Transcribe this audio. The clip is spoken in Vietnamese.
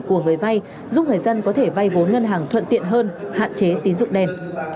của người vay giúp người dân có thể vay vốn ngân hàng thuận tiện hơn hạn chế tín dụng đen